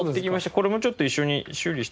これもちょっと一緒に修理してもらって。